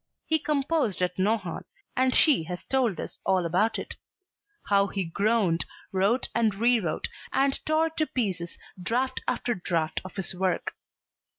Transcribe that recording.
He composed at Nohant, and she has told us all about it; how he groaned, wrote and re wrote and tore to pieces draft after draft of his work.